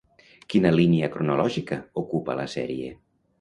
Quina línia cronològica ocupa la sèrie?